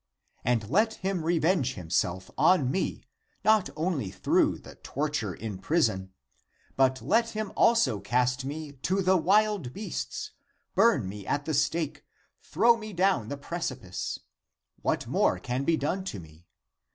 And let him revenge himself on me not only through the torture in prison, but let him also cast me to the wild beasts, burn me at the stake, throw me down the precipice ! What more can be done to me?